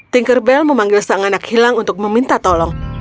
tinkerbell memanggil sang anak hilang untuk meminta tolong